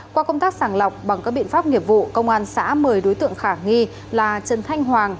qua công tác sàng lọc bằng các biện pháp nghiệp vụ công an xã mời đối tượng khả nghi là trần thanh hoàng